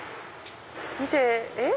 見てえっ？